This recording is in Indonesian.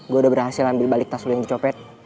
gue udah berhasil ambil balik tas lo yang dicopet